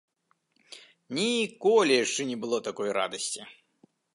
Ніколі яшчэ не было такой радасці.